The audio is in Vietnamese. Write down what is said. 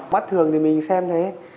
bắt thường thì mình xem thế